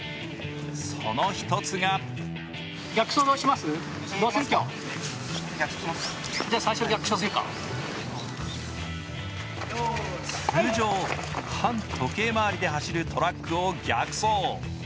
その１つが通常、反時計回りで走るトラックを逆走。